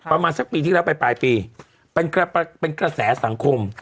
ประมาณสักปีที่แล้วไปปลายปีเป็นกระแสสังคม